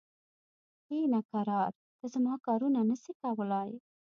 کښینه کرار! ته زما کارونه نه سې کولای.